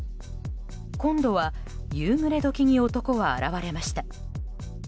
今度は、夕暮れ時に男は現れました。